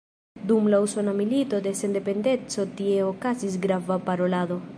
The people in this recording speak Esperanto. Dum la Usona Milito de Sendependeco tie okazis grava parolado.